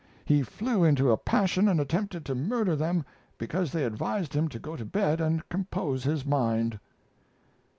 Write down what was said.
He flew into a passion and attempted to murder them because they advised him to go to bed and compose his mind.